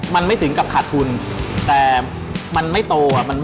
มันไม่ถึงกับขาดทุนแต่มันไม่โต